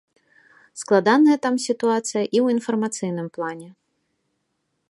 Складаная там сітуацыя і ў інфармацыйным плане.